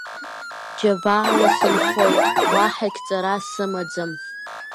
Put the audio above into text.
Џьабаала сынхоит, уаҳагь ҵара сымаӡам.